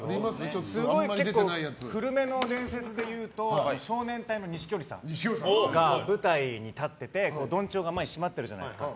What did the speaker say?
結構古めの伝説でいうと少年隊の錦織さんが舞台に立っていて緞帳が前に閉まってるじゃないですか。